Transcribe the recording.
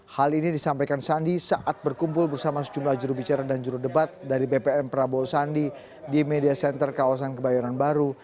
hal ini disampaikan sandi saat berkumpul bersama sejumlah jurubicara dan jurudebat dari bpn prabowo sandi di media center kawasan kebayoran baru